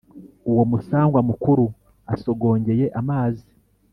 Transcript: Uwo musangwa mukuru asogongeye amazi